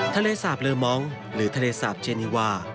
ทะเลสาบเลอมองหรือทะเลสาปเจนีวา